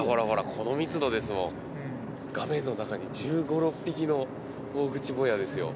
この密度ですもん画面の中に１５１６匹のオオグチボヤですよ